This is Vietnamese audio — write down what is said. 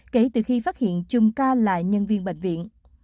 kể từ khi phát hiện chùm ca là nhân viên bệnh viện